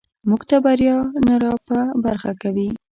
موږ ته بریا نه راپه برخه کوي.